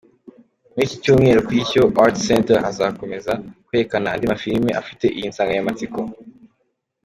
Muri iki cyumweru kuri Ishyo Arts Center hazakomeza kwerekanwa andi mafilimi afite iyi nsanganyamatsiko.